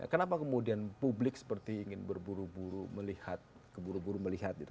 kenapa kemudian publik seperti ingin berburu buru melihat keburu buru melihat